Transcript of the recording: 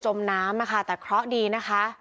มน้ำค่ะแต่เคราะห์ดีนะคะ